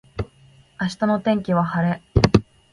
明日の天気は晴れ